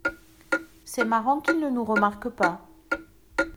C’est marrant qu’il ne nous remarque pas.